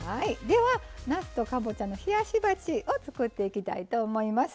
ではなすとかぼちゃの冷やし鉢を作っていきたいと思います。